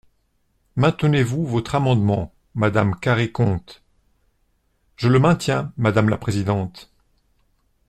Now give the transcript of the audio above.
Maintenez-vous votre amendement, madame Carrey-Conte ? Je le maintiens, madame la présidente.